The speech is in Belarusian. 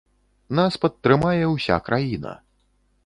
Нас падтрымае ўся краіна.